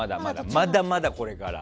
まだまだこれから。